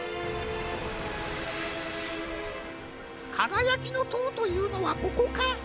「かがやきのとう」というのはここか？